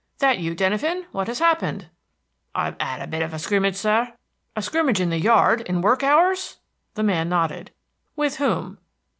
"That you, Denyven!... what has happened!" "I've 'ad a bit of a scrimmage, sir." "A scrimmage in the yard, in work hours!" The man nodded. "With whom?"